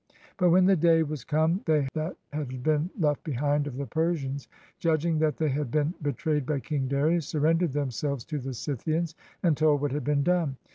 But when the day was come they that had been left behind of the Persians, judging that they had been betrayed by King Darius, surrendered themselves to the Scythians, and told what had been done.